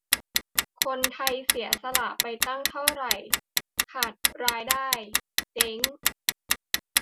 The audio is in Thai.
คนไทยเสียสละไปตั้งเท่าไร ขาดรายได้ เจ๊ง